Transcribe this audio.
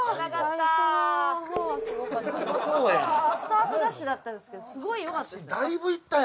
スタートダッシュだったんですけどすごい良かったですよ。